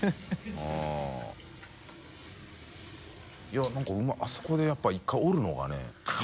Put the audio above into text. いなんかうまいあそこでやっぱ１回折るのがね┐叩